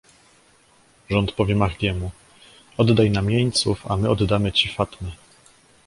- Rząd powie Mahdiemu: "Oddaj nam jeńców, a my oddamy ci Fatme..."